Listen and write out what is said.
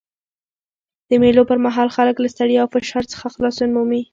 د مېلو پر مهال خلک له ستړیا او فشار څخه خلاصون مومي.